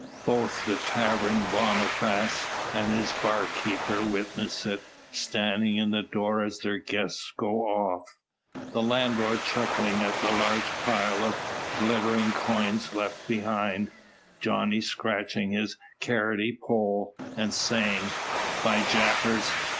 Both the tavern Boniface and his bar keeper witness it, standing in the door as their guests go off; the landlord chuckling at the large pile of glittering coins left behind; Johnny scratching his carroty poll, and saying, "Be japers!